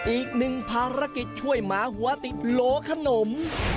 อีกหนึ่งภารกิจช่วยหมาหัวติดโหลขนม